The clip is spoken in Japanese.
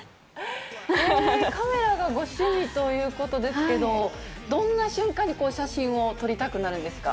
カメラがご趣味ということですけど、どんな瞬間に写真を撮りたくなるんですか？